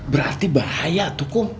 berarti bahaya tuh kun